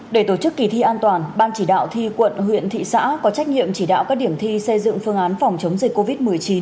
để tổ chức kỳ thi an toàn ban chỉ đạo thi quận huyện thị xã có trách nhiệm chỉ đạo các điểm thi xây dựng phương án phòng chống dịch covid một mươi chín